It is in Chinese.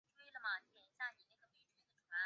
刘仲容早年毕业于湖南省立第一师范学校。